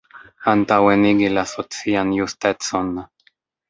Antaŭenigi la socian justecon.